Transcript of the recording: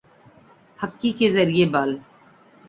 پھکی کے زریعے بل